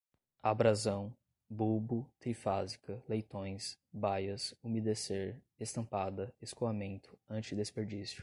abrasão, bulbo, trifásica, leitões, baias, umedecer, estampada, escoamento, antidesperdício